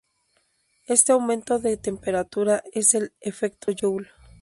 Este aumento de temperatura es el efecto Joule.